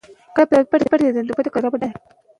د شاعر په کلام کې د طبیعت ښکلا ډېره زیاته ده.